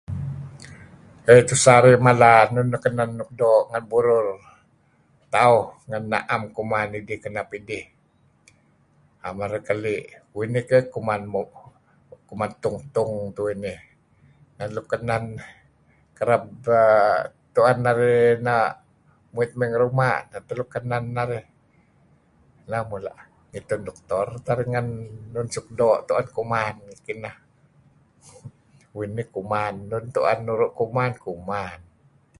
Linuh terawey kudih ... tu'en kuh maya' kapeh tuen deh mada' lem bukuh ago. Kapeh beto' ken bukuh ago lem ayu' edteh nuk midih keyh nu... nikel-nikel maya' inen teh narih. Tak narih nekap ileh let ngen lun beken namem ileh dedih kepaa' ileh bukuh ago.